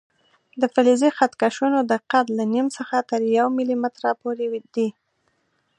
د فلزي خط کشونو دقت له نیم څخه تر یو ملي متره پورې دی.